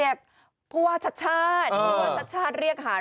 ยอด